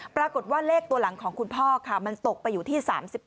ปรากฏว่าเลขตัวหลังของคุณพ่อค่ะมันตกไปอยู่ที่๓๘